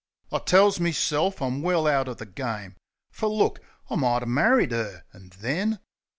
I tells meself I'm well out o' the game; Fer look, I mighter married 'er — an' then.